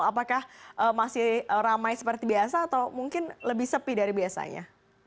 apakah masih ramai seperti biasa atau mungkin lebih sepi dari biasanya